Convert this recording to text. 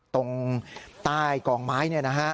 ตรงใต้กองไม้